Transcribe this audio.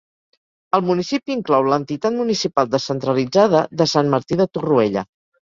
El municipi inclou l'entitat municipal descentralitzada de Sant Martí de Torroella.